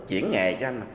chuyển nghề cho anh